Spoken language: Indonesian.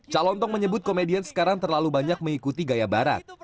calontong menyebut komedian sekarang terlalu banyak mengikuti gaya barat